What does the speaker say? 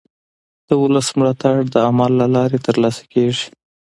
د ولس ملاتړ د عمل له لارې ترلاسه کېږي